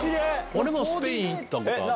俺もスペイン行ったことある。